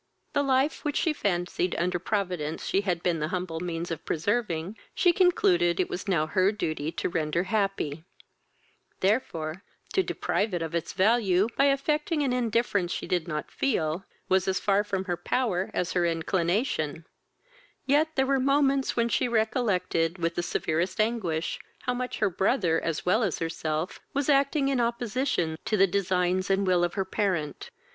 The life, which she fancied, under Providence, she had been the humble means of preserving, she concluded it was now her duty to render happy; therefore, to deprive it of its value, by affecting an indifference she did not feel, was as far from her power as her inclination; yet there were moments when she recollected, with the severest anguish, how much her brother, as well as herself, was acting in opposition to the designs and will of her parent.